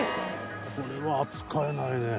「これは扱えないね」